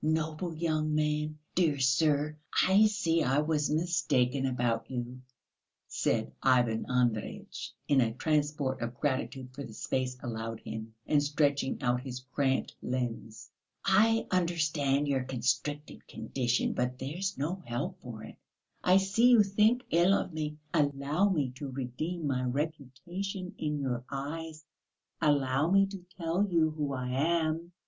"Noble young man! Dear sir! I see I was mistaken about you," said Ivan Andreyitch, in a transport of gratitude for the space allowed him, and stretching out his cramped limbs. "I understand your constricted condition, but there's no help for it. I see you think ill of me. Allow me to redeem my reputation in your eyes, allow me to tell you who I am.